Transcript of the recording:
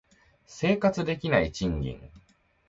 生活できない賃金